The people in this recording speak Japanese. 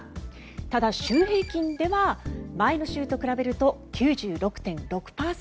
ただ、週平均では前の週と比べると９６．６％。